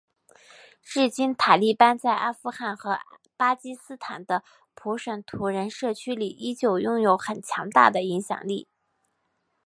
至今塔利班在阿富汗和巴基斯坦的普什图人社区里依旧拥有很强大的影响力。